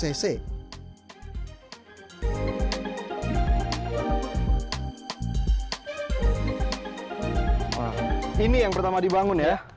ini yang pertama dibangun ya